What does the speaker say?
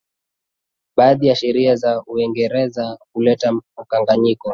baadhi ya sheria za uingereza kuleta mkanganyiko